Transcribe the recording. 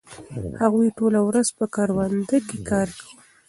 هغوی ټوله ورځ په کروندو کې کار کاوه.